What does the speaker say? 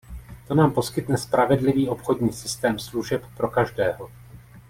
To nám poskytne spravedlivý obchodní systém služeb pro každého.